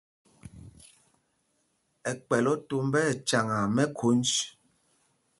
Ɛkpɛl otombá ɛ cyaŋaa mɛkhōnj.